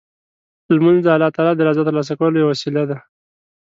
لمونځ د الله تعالی د رضا ترلاسه کولو یوه وسیله ده.